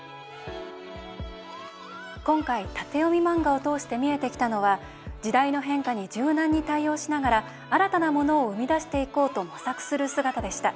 今回、縦読み漫画を通して見えてきたのは時代の変化に柔軟に対応しながら新たなものを生み出していこうと模索する姿でした。